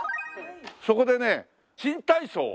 そこでね新体操を。